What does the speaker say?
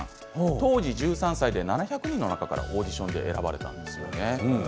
当時１３歳で７００人の中からオーディションで選ばれました。